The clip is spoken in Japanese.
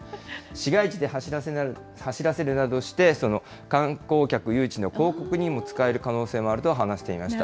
市街地で走らせるなどして、観光客誘致の広告にも使える可能性もあると話していました。